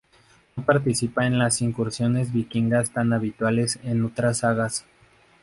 No participa en las incursiones vikingas tan habituales en otras sagas.